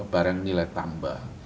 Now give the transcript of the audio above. barang nilai tambah